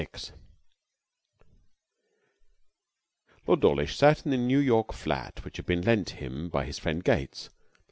6 Lord Dawlish sat in the New York flat which had been lent him by his friend Gates.